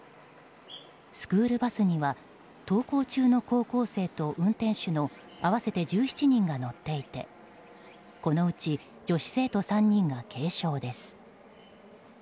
スクールバスには登校中の高校生と運転手の合わせて１７人が乗っていてこのうち女子生徒３人が軽傷です。